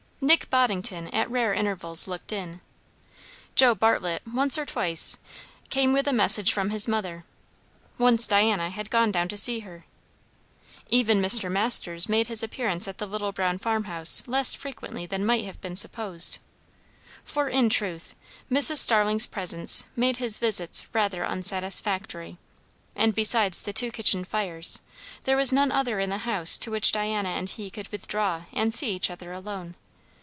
Nick Boddington at rare intervals looked in. Joe Bartlett once or twice came with a message from his mother; once Diana had gone down to see her. Even Mr. Masters made his appearance at the little brown farm house less frequently than might have been supposed; for, in truth, Mrs. Starling's presence made his visits rather unsatisfactory; and besides the two kitchen fires, there was none other in the house to which Diana and he could withdraw and see each other alone.